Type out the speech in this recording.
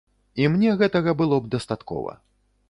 І мне гэтага было б дастаткова.